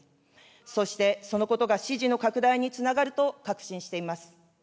そして、そのことが支持の拡大につながると確信しています。